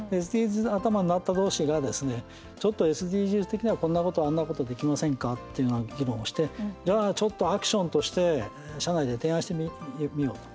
ＳＤＧｓ頭になったどうしがちょっとＳＤＧｓ的にはこんなこと、あんなことできませんかっていうような議論をして、じゃあちょっとアクションとして社内で提案してみようと。